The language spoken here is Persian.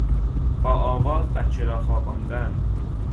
با آواز بچه را خواباندن